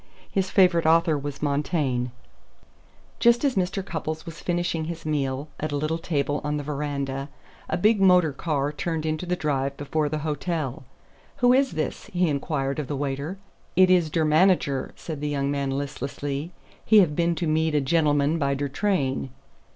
His favorite author was Montaigne. Just as Mr. Cupples was finishing his meal at a little table on the veranda, a big motor car turned into the drive before the hotel. "Who is this?" he inquired of the waiter. "Id is der manager," said the young man listlessly. "He have been to meed a gendleman by der train."